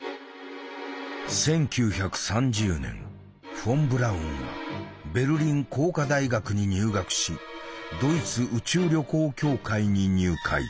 フォン・ブラウンはベルリン工科大学に入学しドイツ宇宙旅行協会に入会。